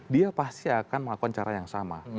dia pasti akan melakukan cara yang sama